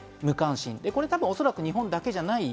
これはおそらく日本だけではない。